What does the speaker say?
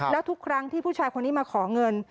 แล้วทุกครั้งที่ผู้ชายคนนี้มาขอเงิน